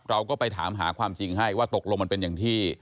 เราก็ไปถามหาความจริงให้ว่าตกลงมันเป็นอย่างที่